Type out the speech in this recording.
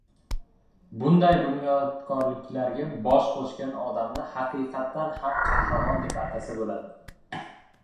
Bunday bunyodkorliklarga bosh qo‘shgan odamni haqiqatan ham “qahramon” deb atasa bo‘ladi.